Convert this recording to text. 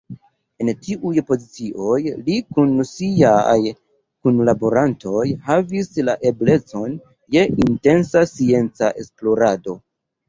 En tiuj pozicioj li kun siaj kunlaborantoj havis la eblecon je intensa scienca esplorado.